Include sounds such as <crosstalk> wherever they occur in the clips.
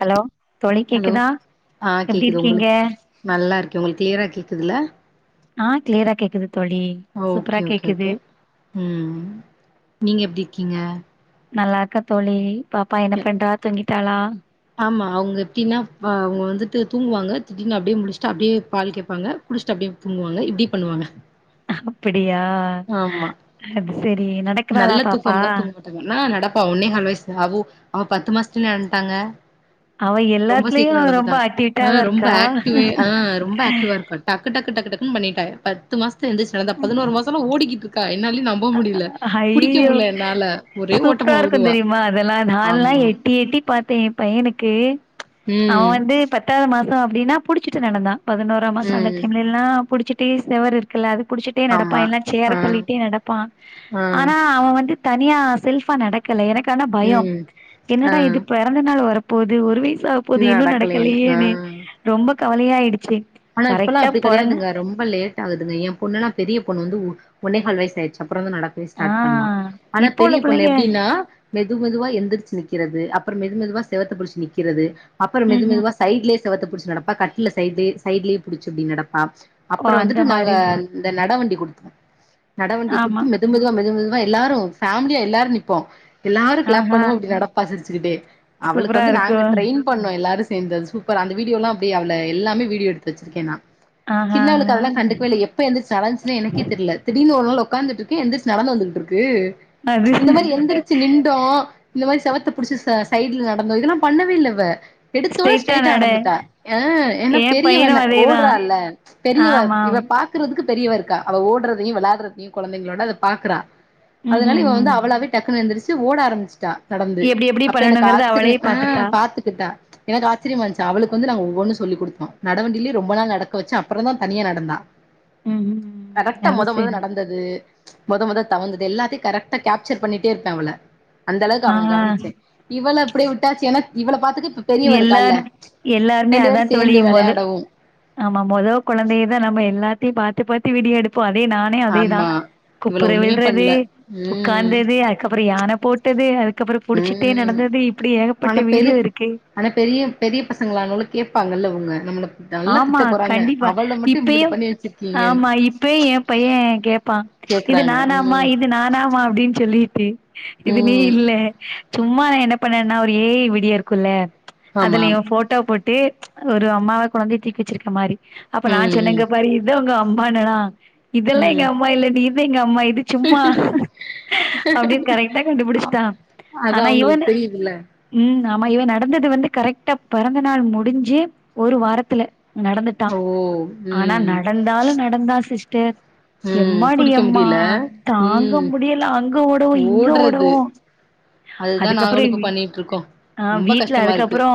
Hello தோழி hello கேக்குதா ஆ எப்டி கேக்குது இருக்கீங்க உங்களுக்கு, நல்லாருக்கேன். உங்களுக்கு கிளியரா கேக்குதுல்ல. ஆ கிளியரா கேக்குது தோழி ஓகே சூப்பரா ஓகே கேக்குது ஓகே. ம்.. நீங்க எப்டிருக்கீங்க. நல்லா இருக்கே தோழி, பாப்பா என்ன பண்றா தூங்கிட்டாளா. ஆம்மா அவங்க எப்டின்னா அவங்க வந்துட்டு தூங்குவாங்க. திடீனு அப்டியே முழிச்சுட்டு அப்டியே பால் கேப்பாங்க. குழுச்சுட்டு அப்டியே தூங்குவாங்க. இப்டி பண்ணுவாங்க. அப்டியா. ஆமா அது செரி நடக்குறாளா பாப்பா. னா நடப்பா, ஒன்னே கால் வயசு, அவு அவ பத்து மாசத்துள்ளே நடந்த்ட்டாங்க. அவ ரொம்ப எல்லாத்துலயு சீக்கிரோ ரொம்ப நடந்துட்டா ஆக்டிவிட்டா ஆ தா ரொம்ப இருக்கா ஆக்டிவே ஆ ரொம்ப ஆக்டிவா இருக்கா டக்கு டக்கு டக்கு டக்குன்னு பண்ணிட்டா பத்து மாசத்து எந்திருச்சு நடந்தா பதினோரு மாசம்மா ஓடிக்கிட்டுருக்கா என்னாலே நம்ப முடியல புடிக்க ஹய்யிய்யோ முடில என்னால ஒரே சூப்பரா ஓட்டமா இருக்கு ஓடுவா தெரியும அதெல்லா நான்ல்லா ஆமா எட்டி எட்டி பாத் தே எ பையனுக்கு அவ ம் வந்து பத்தாது மாசோ அப்டினா புடிச்சிட்டு நடந்தா பதினோராம் மாசோ அந்த ம் டைம்ல எல்லா புடிச்சுட்டே செவர் இருக்குல்ல அது புடிச்சுட்டே ஆமா நடப்பான் எல்லா சேர ஆ தள்ளிட்டே நடப் பா ஆ ஆனா அவன் வந்து தனியா செல்ஃபா நடக் கல்ல எனக்கானா பயோ ம் ஆ என்னடா இது பெறந்த நாள் வரப்போது ஒரு வயசாக் போது இன்னு நடக்கலேன்னு நடக்கலையேன்னு, ஆ ரொம்ப கவலையாயிடுச்சு ஆனா இப்பெல்லா கரெக்டா அப்டி பொறந்த கெடையாதுங்க ரொம்ப லேட் டாகுதுங்க எ பொண்ணெல்லா பெரிய பொண்ணு வந்து உ ஒன்னேகால் வய்சாய்ட்ச்சு அப்பறந்தா நடக் வே ஆ ஸ்டாட் பண்ணா ஆனா இப்போ உள்ள பெரிய பொண்ணு பிள்ளைங்க எப்டின்னா மெது மெதுவா எந்திரிச்சு நிக்கிறது அப்புறம் மெது மெதுவா செவத்த புடிச்சு நிக்கிறது அப்புறம் மெது ம்ஹும் மெதுவா சைட்லயே செவத்த புடிச்சு நடப்பா. கட்டூல்ல சைட்லே சைடலேயே புடிச்சு அப்டி நடப்பா ஓ அப்புறோ அந்த வந்துட்டு நாங்க மாரி இந்த நடவண்டி குடுத்தோ நடவண்டி ஆமா குடுத்து மெ து மெதுவா மெது மெதுவா எல்லாரு ஃபேமிலியா எல்லாரு நிப்போ எல்லாரு க்ளாப் ஆஹா பண்ணுவோ அப்டி நடப்பா சிரிச்சுக்கிட்டே அவளுக்கு சூப்பரா வந்து இருக்கு நாங்க ட்ரெயின் பண்ணு எல்லாரு சேந்ததுஎ சூப்பர் அந்த வீடியோல்லா அப்டி அவள எல்லாமே வீடியோ எடுத்து வெச்சிருக்கே நா ஆஹா சின்னவுளுக்கு அதெல்லா கண்டுக்வே இல்ல எப்ப எந்தர்ச்சு நடந்ச்சுனே எனக்கே தெரில திடீனு ஒரு நாள் உட்காந்துட்டுருக்கு எந்திர்ச் நடந்து வந்துகிட்ருக்கு அது இந்த மாரி எந்திரிச்சு நின் டோ இந்த மாரி செவத்த புடிச்சு ச சைட்ல நடந்தோ இதெல்லாம் பண்ணவே இல்ல இவ எடுத்தோன ஸ்ட்ரைட்டா ஸ்ட்ரெய்டா நட நடந்துட்டா அ என்ன ஏ பெ பையனு ரியவன அதேதா ஓட்றால்ல பெரியவ ஆமா இவ பாக்குறதுக்கு பெரியவ இருக்கா அவ ஓட்றதையு விளாட்றதையு கொழந்தைங்களோட அத பாக்குறா அதனால ம்ஹும் இவ வந்து ம் அவளாவே டக்குன்னு எந்திரச்சு ஓட ஆரம்பிச்சுட்டா நடந்து எப்டி எப்டி அப்ப எனக்கு பண்ணணுங்கறத அவளே ஆச்சரியம் ஆ பாத்துட்டா பாத்துட் கிட்டா எனக்கு ஆச்சரியமா இந்ச்சு அவளுக்கு வந்து நாங்க ஒவ்வொன்னு சொல்லி குடுத்தோ நடவண்டிலியே ரொம்ப நாள் நடக்க வெச்சே அப்புறந்தா தனியா நடந்தா ம்ஹும் கரெக்டா அது மொத மொத சரி நடந்த து மொத மெத தவந்தது எல்லாத்தியு கரெக்டா கேப்சர் பண்ணிட்டே இருப்பே அவள அந்தளவுக்கு அவள ஆ கவனிச்சே இவள அப்படியே விட்டாச்சு ஏனா இவள பாத்துக்க பெரியவ இருக்கால்ல எல்லார் எல்லாருமே ரெண்டு அதா பேரு தோழி சேந்து மொத வெளையாடவு ஆமா மொத கெழந்தையைதா நம்ம எல்லாத்தியு பாத்து பாத்து வீடியே எடுப்போ அதே நான் னே அதேதா ஆமா இவள குப்புர ஒண்ணுமே விழுறது பண்ல ம் உட்காந்தது அதுக்கப்புற யான போட் டது அதுக்கப்புற புடிச்சிட்டே ம் நடந்தது இப்படி ஏகப்பட்ட ஆனா பெரு வீடியோ இருக்கு ஆனா பெரிய பெரிய பசங்ளா ஆனவுன்ன கேப்பாங்கல்ல அவுங்க நம்மள நல்லா திட்ட ஆமா போறாங்க கண்டிப்பா அவள மட்டு இம்புட்டு இப்பயு பண்ணி வச்சிருக்கீங்கன்னு ஆமா இப்பயி எ பையே கேப்பா இது கேக்குறாங்க நானாமா ம் இது நானாமா அப்டின் சொல்லிட் டு இது நீ ம் இல்ல சும்மா நா என்ன பண்ணேன்னா ஒரே ஏஐ வீடியோ இருக்குல்ல ஆமா அதுல இவ ஃபோட்டோ போட்டு ஒரு அம்மாவ கொழந்திய தூக்கி வெச்சிருக்க மாரி அப்ப நா ம் சொன்னே ம் இங்க பாரு இதா உங்க அம்மான்னனா இதெல்லா எங்க ம் அம்மா இல்ல நீதா எங்க அம்மா இது சும்மா அப்டின் கரெக்டா கண்டுபுடிஷ்ட்டா அதா அவுங்களுக் தெரியுதுல ம் ஆமா இவே நடந்தது வந்து கரெக்டா பெறந்த நாள் முடிஞ்சு ஒரு வாரத்துல ஓ நடந்துட்டான் ஆனா ம் நடந்தாலு நடந்தான் சிஸ்டர் ம் எம்மாடி புடிக்க எம்மா முடியல தாங்க ம் முடியல அங்க ஓடவு இங்க ஓடவு அதுதான் நாங்களு இப்ப பண்ணிட்டு இருக்கோ ஆ வீட்ல அதுக்கப்றோ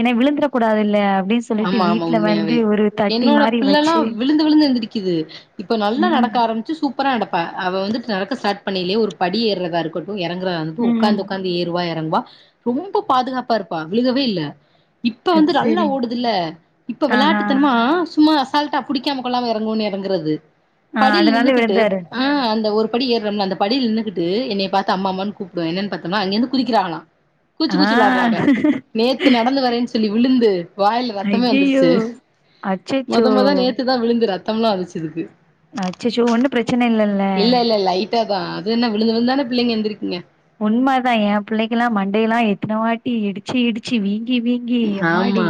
என்ன விழுந்துர கூடாதில்லய அப்டின்னு சொல்ட்டு ஆமா ஆமா வீட்ல வந்து உண்மையாவே ஒரு தட்டி என்னோட மாரி பிள்ள எல்லா வச்சு விழுந்து விழுந்து எந்திருக்குது இப்ப நல்லா ம். நடக்க ஆரம்பிச்சு சூ ப்பாரா நடப்பா அவ வந்துட்டு ஸ்டார்ட் பண்ணிலயே ஒரு படி ஏறதா இருக்கட்டு எறங்கறதா <unintelligible> ம். உக்காந்து உக்காந்து ஏறுவா எறங்குவா ரொம்ப பாதுகாப்பா இருப்பா விழுகவே இல்ல இப்ப அது வந்து நல்லா சரி. ஓடுதில்ல இப்ப ஆஹா. வெளாட்டுத்தனமா சும்மா அசால்டா புடிக்காம கொல்லாம எறங்குவோனு எறங்கறது ஆ படில அதனால நின்னுகிட்டு விழுந்தாரு. ஆ அந்த ஒரு படி ஏர்றமல்ல அந்த படில நின்னுகிட்டு என்னைய பாத்தா அம்மா அம்மான்னு கூப்டுவா என்னன் பாத்தம்னா அங்கிந்து குறிக்கறாங்ளா கூச்சு ஆ. கூச்சு வெளாடறாங்க நேத்து நடந்து வரேன்னு சொல்லி விழுந்து வாய்ல ரத்தமே ஐயையோ! வந்துருச்சு அச்சச்சோ! மொத மொத நேத்துதான் விழுந்து ரத்தமெல்லா வந்துச்சு அதுக்கு அச்சச்சோ ஒண்ணு பிரச்சனை இல்லல்ல ட்டதா அது என்ன விழுந்து விழுந்தான பிள்ளைங்க எந்திருக்குங்க உண்மதா என் பிள்ளைக்கல்லா மண்டெல்லா எத்தன வாட்டி இடிச்சு இடிச்சு வீங்கி வீ ங்கி எம்மாடி ஆமா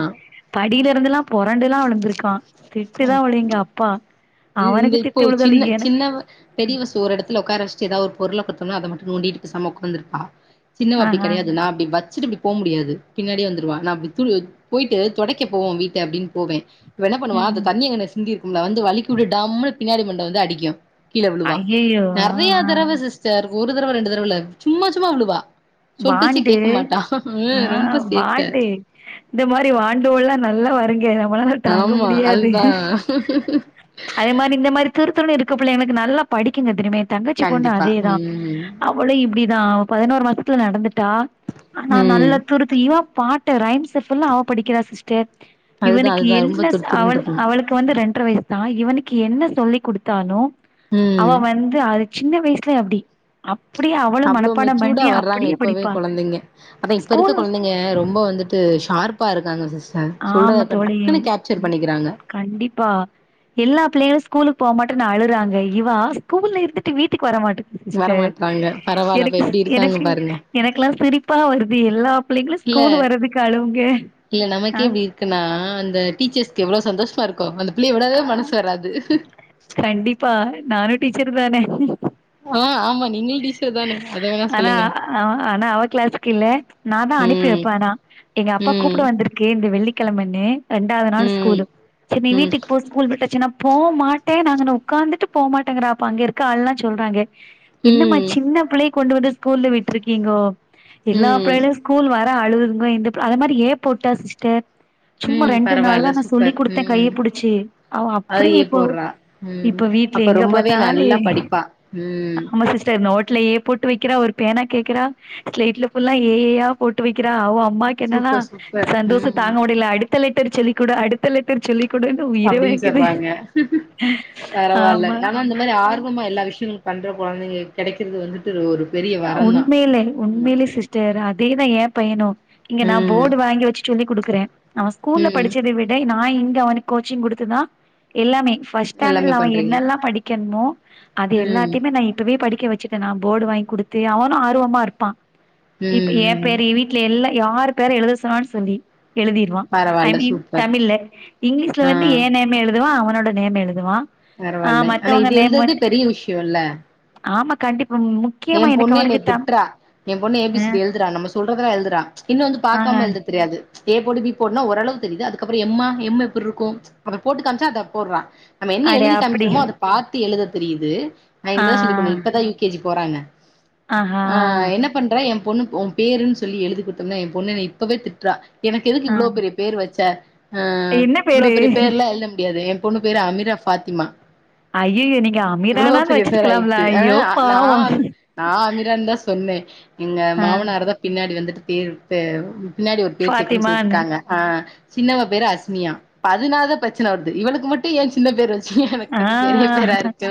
படில இருந்தெல்லா புரண்டெல்லா விழுந்திருக்கான் திட்டுதா விழு எங்க அப்பா இது இந்த அவனுக்கு இப்போ திட்டு விழுதல சின்ன எனக் சின்னவ பெரியவ சோ ஒரு எடத்துல உக்கார வெச்சுட்டு எதாவது ஒரு பொருள குடுத்தம்னா அத மட்டு நோண்டிட்டு பேசாம உக்காந்திருப்பா சின்னவ அப்டி ஆஹா கெடையாது நா அப்டி வெச்சிட்டு இப்டி போ முடியாது பின்னாடியே வந்துருவா நா அப்டி போயிட்டு தொடைக்க போவோ வீட்ட அப்டின்ட்டு போவன் இவ என்ன பண்ணுவா அந்த ம் தண்ணி அங்கண்ண சிந்தி இருக்குமல்ல வந்து வலிக்கி விட்டு டம்முனு பின்னாடி மண்ட வந்து அடிக்கு கீழ விழுவா ஐயையோ ஆ நெறைய ஆ தரவ சிஸ்டர் ஒரு தரவ ரெண்டு தரவ இல்ல சும்மா சும்மா விழுவா சொல் பேச்சே வாண்டு கேக்க மாட்டா ஆ ரொம்ப சேட்ட வாண்டு இந்த மாரி வாண்டோல்லா நல்லா வருங்க நம்மளாலா தாங்க ஆமா முடியாது அதுதா அதே மாரி இந்த மாரி துறுத்துருன்னு இருக்க பிள்ளைங்களுக்கு நல்லா படிக்குங்க தெரிமா என் தங்கச்சி பொண்ணு கண்டிப்பா அதேதா ம் போல இப்டிதா அவ பதினோரு மாசத்துல நடந்துட்டா ஆனா ம் நல்லா துரு த்து இவ பாட்ட ரைம்ஸ ஃபுல்லா அவ படிக்கிறா சிஸ்டர் அதுதா இவனுக்கு அதுதா ரொம்ப என்ன துருத்துருன்னு அவன் இருக்குங்க அவளு க்கு வந்து ரெண்டற வயசுதா இவனுக்கு என்ன சொல்லிக்குடுத்தாலு அவ ம் வந்து அது சின்ன வயசுலயே அப்டி அப்டியே அவளு மனப்பாடம் பண்ணி நாங்க அப்டியே இப்பவே படிப்பா கொழந்தைங்க அதா இப்ப இருக்க ஸ்கூல் கொழந்தைங்க ரொம்ப வந்துட்டு ஷார்ப்பா இருக்காங்க சிஸ் அ சொல்றத ஆமா தோழி டக்குன்னு கேப்சர் பண்ணிக்கிறாங்க கண்டிப்பா எல்லா பிள்ளைகளு ஸ்கூலுக்கு போ மாட்டேன்னு அழுறாங்க இவா ஸ்கூல்ல இருந்துட்டு வீட்டுக்கு வரமாட் வரமாட்டாங்க பரவால்ல அப்ப எப்டி இருக்காங்க எனக்கு பாருங்க எனக்கெல்லா சிரிப்பா வருது எல்லா புள்ளைங்களு இல்ல ஸ்கூல் வர்றதுக்கு அளுவுங்க இல்ல நமக்கே இப்டி இருக்குன்னா அந்த டீச்சர்ஸ்க்கு எவ்ளோ சந்தோஷமா இரு க்கு அந்த பிள்ளைய விடவே மனசு வராது கண்டிப்பா நானு டீச்சர்தானே ஆ ஆமா நீங்லு டீச் ஆனா ஆனா அவ கிளாஸுக்கு இல்ல நாதா அனுப்பி ம் வெப்பே ஆனா எங்க அப்பா ம் கூப்பட வந்திருக்கு இந்த வெள்ளிக்கிழமன்னு ரெண்டாவது நாள் ம் ஸ்கூலு சேர் நீ ம் வீட்டுக்கு போ ஸ்கூல் விட்டுச்சுனா போ மாட்டன் நா அங்கன உக்காந்துட்டு போ மாட்டாங்கற அப்ப அங்க இருக்க ஆள்லெல்லா சொல்றாங்க என்னமா ம் சின்ன பிள்ளைய கொண்டு வந்து ஸ்கூல்ல விட்டிருக்கீங்கோ எல்லா ம் பேரன்ட்ஸ் ஸ்கூல் வர அழுகுங்க இந்த புள்ள அது மாரி ஏ போட்டா சிஸ்டர் சும்மா ம் ரெண்டு நாள்தா பரவால்ல நா சொல்லி் சூப்பர் குடுத்தே ம் கைய புடிச்சு அவ அப்டியே அதையே இப்போ போட்றா ம் இப்ப வீட்ல அப்ப எங்க ரொம்பவே பாத்தாலு நல்லா எழுதி படிப்பா ம் ஆமா சிஸ்டர் நோட்லயே போட்டு வெக்கிறா ஒரு பேனா கேக்குறா ஸ்லேட்டுல ஃபுல்லா ஏ ஏ யா போட்டு வெக்கிறா அவ அம்மா க்கென்னனா சூப்பர் சூப்பர் சந்தோஷ தாங்க ம் முடியல அடுத்த லெட்டர் சொல்லிக்குடு அடுத்த லெட்டர் சொல்லி அப்டின் சொல்றாங்க பரவால்ல ஆமா ஆனா இந்த மாரி ஆர்வமா எல்லா விஷ்யங்களு பண்ற கொழந்தைங்க கெடைக்கிறது வந்து து ஒரு பெரிய அ வரந்தா உண்மைலே ஆமா உண்மைலே சிஸ்டர் அதேதா ஏ பையனு இங்க நா ம் போர்டு வாங்கி வச்சு சொல்லி குடுக்குறே அவ ஸ்கூல்ல ம் படிச்சத விட் ட நா இங்க அவனுக்கு கோச்சிங் குடுத்துதா எல்லாமே ஃபஸ்ட் எல்லாமே ஸ்டாண்டர்ட்ல அவ பண்றீங்க என்னெல்லா படிக்கனுமோ அது ம் எல்லாத்தையுமே நா இப்பவே படிக்க வச்சுட் டே நா போர்டு வாங்கி குடுத்து அவனு ஆர்வமா இருப்பா இப்ப ம் எ ம் பேரயே வீட் ல எல்லா யார் பேர எழுத சொன்னாலு சொல்லி எழுதிரு வா ஐ பரவால்ல மீன் சூப்பர் தமிழ்ல இங்லீஷ்ல ஆ வந்து ஏ நேமு எழுதுவா அவனோட நேமு எழுதுவா ஆ பரவால்ல ஆனா மத்தவங்க இது நேம் எழுதற்தே வந்து பெரிய விஷ்யோல்ல ஆமா கண்டிப்பா மு எ பொண்ணு என்னய திட்றா எ பொண்ணு ஏ பி சி டி எழுதுறா நம்ம சொல்றதெல்லா எழுதுறா இன்னு வந்து ஆ ஆ பாக்காம எழுத தெரியாது ஏ போடு பி போடுனா ஒரளவு தெரியுது அதுக்கப்ற எம் மா எம் எப்டி இருக்கு அத போட்டு காம்ச்சா அத போட்றா நம்ம என்ன அடே எழுதி அப்டி காமிக்கிறோமோ அத பாத்து எழுத தெரியிது நா ஆ இனிமேதா சொல்லிக்குட்ணு இப்பதா யு கே ஜி போறாங்க ஆஹா ஆ என்னப் பண்றே எ பொண்ணுக்கு ஒ பேருன் சொல்லி எழுதி குடுத்தனா ஏ பொண்ணு இப்பவே திட்றா எனக்கு எதுக்கு ஆ இவ்ளோ பெரியப் பேரு வச்ச ஆ என்ன இவ்ளோ பேரு பெரிய பேர்லா எழுத முடியாது ஏ பொண்ணு பேரு அமீரா ஃபாத்திமா ஐயயோ நீங்க எவ்ளோ அமீரானாது பெரிய பேர் வச்சுருக்கலாம்ல ஆயிடுச்சு ஆ ஐயோ நா பாவ நா அமிரான்தா சொன்னே எங்க ஆ மாமனார்தா பின்னாடி வந்துட்டு பேரு பே பின்னாடி ஒரு பேர் சேக்கனுன் ஃபாத்திமான்னு சேத்துட்டாங்க ஆ சின்னவ பேரு அஸ்மியா இப்ப அதுனாலதா பிரச்சன வருது இவளுக்கு மட்டு ஏ சின்ன பேரு வச் எனக்கு ஆ மட்டு பெரிய பேரா இருக்கு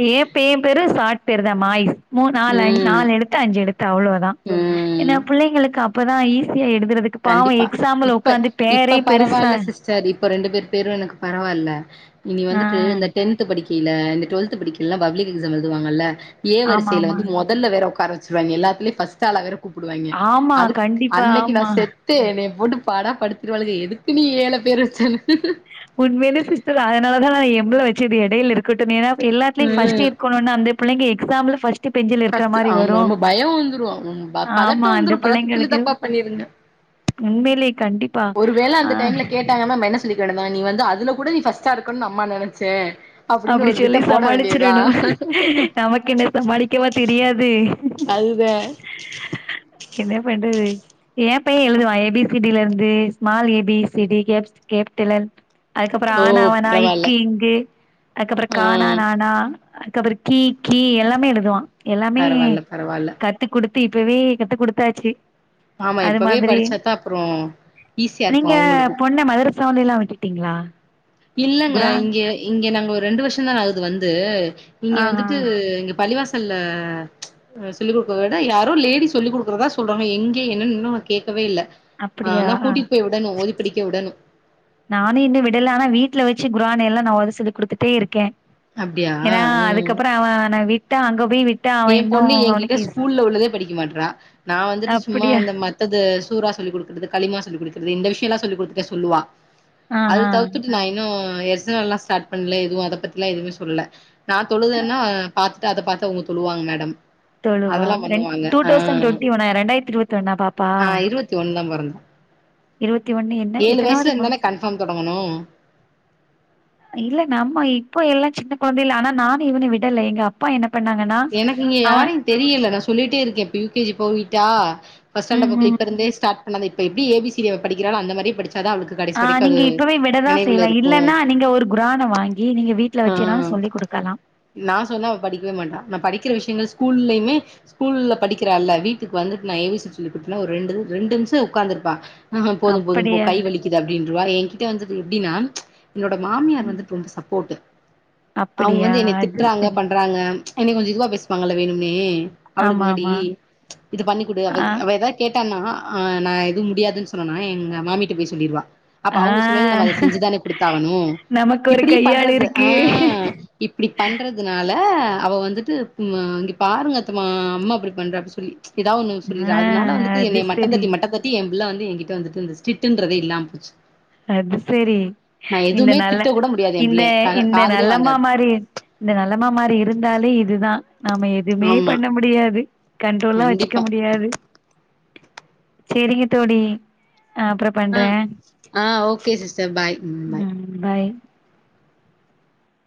ஏ பைய பேரு சாட் பேருதா மாய்ஸ் மூர் நால் அஞ் ம் நாலெழுத்து அஞ்செழுத் து அவ்ளோதா ம் ஏனா பிள்ளைங்களுக்கு அப்பதா ஈஸியா எழுதுறதுக் கு பாவ கண்டிப்பா எக்ஸாம்ல ஒக்காந்து பேரே பெருசா செரி இப்ப ரெண்டு பேர் பேரு எனக்கு பரவால்ல இனி ஆ வந்துட்டு இந்த டென்த்து படிக் கடைல இந்த டுவெல்த்து படிக்கைலலா பப்ளிக் எக்ஸாம் எழுதுவாங்கள்ல ஏ ஆமா வரிசைல ஆமா வந்து மொத் தல்ல வேற ஒக்கார வச்சுருவாங்கே எல்லாத்துலயு ஃபஸ்ட்டாளா வேற கூப்டு வாங்கே ஆமா அதுக் கண்டிப்பா அன்னைக்கு நா ஆமா செத் தே என்னய போட்டு பாடா படுத்திருவாழளுங்க எதுக்கு நீ ஏ ல பேரு வச்சன்னு உண்மைலே சிஸ்டர் அதனாலதா நா எம் ல வெச்சுது எடைல இருக்கட்டுனேதா எல்லாத்துலயு ஃபஸ்ட் இருக் குனுனு அந்த புள்ளைங்க எக்ஸாம்ல ஃபஸ்ட் ஃபஸ்ட்டு ஆமாம்மா பயோ வந்துரு ம் பதட்ட ஆமா அந்த வந்துரு பதட்டத்துலே தப்பா பண்ணிருங்க உண்மைலே கண்டிப் ஒரு வேள அந்த டைம்ல கேட்டாங்கனா நம்ம என்ன சொ சொல்லிக்கனுனா நீ வந்து அதுல கூட நீ ஃபஸ்டா இருக்கனுனு அம்மா நெனச்சே அப்டின்னு அப்டி ஒரு பிட்ட சொல்லி போட வேண்டியதா சமாளிச்சிறணு நமக்கு என்ன சமாளிக்கவா தெரியாது அதுதே என்ன பண்றது ஏ பைய எழுதுவா ஏ பி சி டி லருந்து small A B C D caps கேப்டலன் அதுக்கப்றோ ஓ ஆனா ஆவனா பரவால்ல இக்கு இங்கு அதுக்கப்றோ ஆ கானா நானா அதுக்கப்றோ கி கீ எல்லாமே எழுதுவா எல்லாமே பரவால்ல பரவால்ல கத்து குடுத்து இப்பவே கத்து குடுத்தாச்சு ஆமா அது இப்பவே மாதிரி படிச்சாத்தா அப்றோ ஈஸியா இருக்கு நீங்க அவங்களுக்கு பொண்ண மதுர சவுண்டல்லா விட்டுட்டிங்களா இல்லங்க இங்க இங்க நாங்க ஒரு ரெண்டு வருஷோதா ஆகுது வந்து இங்க ஆ ஆ வந்துட்டு இங்க பள்ளிவாசல்ல ச் சொல்லிக் குடுக்கறத விட யாரோ லேடி சொல்லிக்குடுக்றதா சொல்றாங்க எங்க என்னன்னு இன்னு நா கேட்கவே இல்ல ஆ அப்படியா ஆனா கூட்டிட்டு போய் வுடணு ஓதி படிக்க உடணு நானு இன்னோ விடல ஆனா வீட்ல வச்சு குரானேல்லா நா ஓத சொல்லி குடுத்துட்டேருக்கே அப்டியா ஏன்னா ம் அதுக்கப்றோ அவ நா விட்டா அங்க போய் விட் ஏ பொண்ணு ஏ கிட்ட ஸ்கூல்ல உள்ளதே படிக்க மாட்றா நா வந்துட்டு சும்மா அப்டியா அந்த மத் தத சூரா சொல்லி குடுக்றது களிமா சொல்லி குடுக்றது இந்த விஷ்யோல்லா சொல்லிக் குடுத்துட்டே சொல்லுவா அது ஆஹா தவுத்துட்டு நா இன்னு எஸ்னல்லா ஸ்டார்ட் பண்ணல எதுவு அத பத்திலா எதுவுமே சொல்லல நா தொழுதென்னா பாத்த அத பாத்து அவுங்க தொழுவாங்க மேடம் தொழுவா அதெல்லா ரெண் பண்ணுவாங்க டூ ஆ தௌசண்ட் டொண்டி ஒன்னா ரெண்டாயிரத்தி இருபத்தி ஒன்னா பாப்பா ஆ இருவத்தி ஒன்னுதா பொறந்தா இருவத்தி ஒன்னு என்ன ஏழு வயசுல எத்தனாவது இருந்து மா தானே கன்ஃபார்ம் தொடங்கணு <inaudible> இல்ல நம்ப இப்போ எல்லா சின்ன கொழந்தேல ஆனா நானு இவன விடல எங்க அப்பா என்ன பண்ணாங்கன்னா எனக்கு இங்க அவன் யாரயு தெரியல நா சொல்லிட்டேருக்கே இப்போ யூ கே ஜி பொய்யிட்டா ஃபஸ்டாண்ட்டு ம் புக் ம் இப்பருந்தே ஸ்டார்ட் பண்ணாதா இப்ப எப்டி ஏ பி சி டி அவ படிக்றா அந்த மாரியே படிச்சாதா அவ்ளுக்கு ஆ நீங்க இப்பவே விடதா செய்யலா இல்லன்னா நீங்க ஒரு குரான வாங்கி நீங்க வீடல ஆ வச்சுன்னாலு சொல்லி குடுக்கலா நா சொன்னா அவ படிக்கவே மாட்டா நா படிக்ற விஷ்யங்கள் ஸ்கூல்லயுமே ஸ்கூல்ல படிக்கிறால வீட்டுக்கு வந்துட்டு நா ஏ பி சி சொல்லிகுடுத்தனா ஒரு ரெண்டு ரெண்டு நிமிஷோ உட்காந்துருப்பா ஆ போது போது போ அப்படியா கை வலிக்குது அப்டின்றுவா என்கிட்ட வந்து எப்டின்னா ச் என்னோட மாமியார் வந்துட்டு ரொம்ப சப்போர்ட்டு அவங்க அப்படியா வந்து என்னை அது திட்டுறாங்க சரி பண்றாங்க ச் என்னை கொஞ்சோ இதுவா பேசுவாங்கல்ல வேணும்னே அவளுக்கு ஆமா முன்னாடி ஆமா ச் இது பண்ணி கொடு அவ ஆ அவ ஏதா கேட்டான்னா நா எதுவு முடியாதுன்னு சொன்னேன்னா எங்க மாமிட்ட போய் சொல்லிருவா அப்ப ஆ அவங்க சொல்லைல நம்ம அதை செஞ்சுதானே குடுத்தாகணு நமக்கு ஒரு இப்டி கையாள் பண்றது ஆ இருக்கு இப்டி பண்றதுனால அவ வந் வந்துட்டு அங்க பாருங்க அத்தமா அம்மா அப்டி பண்றா அப்டி சொல்லி ஏதாவது ஒன்னு சொல்லிற ஆ அதனால வந்துட்டு என்னை அது மட்டோ சரி தட்டி மட்டோ தட்டி எ பிள்ள வந்து எங்கிட்ட வந்துட்டு ஸ்டிரிட்டுன்றதே இல்லாம போச்சு அது செரி நா இந்த எதுவுமே நல்ல திட்ட கூட முடியாது என் இந்த புள்ளைய கா இந்த காதுலயே நல்லம்மா வாங்காது மாரி இந்த நல்லமா மாரி இருந்தாலே இதுதா நாம எதுமே ஆமா பண்ண முடியாது கண்ட்ரோல்லா வச்சுக்க கண்டிப்பா முடியாது செரிங்க தோழி அ அப்றோ ஆ பண்றே ஆ ஓகே சிஸ்டர் பாய் ம் பாய்